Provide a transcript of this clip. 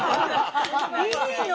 いいのよ！